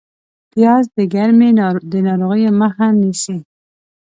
پیاز د ګرمۍ د ناروغیو مخه نیسي